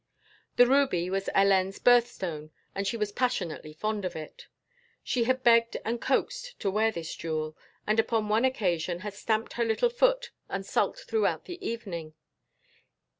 The ruby was Hélène's birthstone and she was passionately fond of it. She had begged and coaxed to wear this jewel, and upon one occasion had stamped her little foot and sulked throughout the evening.